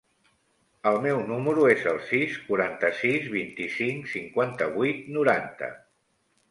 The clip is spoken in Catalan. El meu número es el sis, quaranta-sis, vint-i-cinc, cinquanta-vuit, noranta.